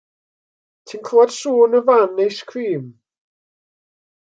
Ti'n clywad sŵn y fan eiscrîm?